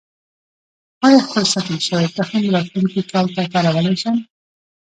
آیا خپل ساتل شوی تخم راتلونکي کال ته کارولی شم؟